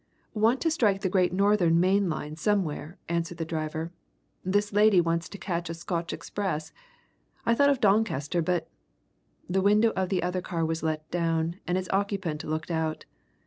"Want to strike the Great Northern main line somewhere," answered the driver. "This lady wants to catch a Scotch express. I thought of Doncaster, but " The window of the other car was let down, and its occupant looked out.